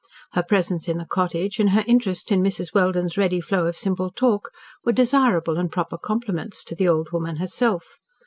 Her presence in the cottage, and her interest in Mrs. Welden's ready flow of simple talk, were desirable and proper compliments to the old woman herself.